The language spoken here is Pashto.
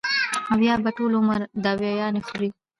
او يا به ټول عمر دوايانې خوري -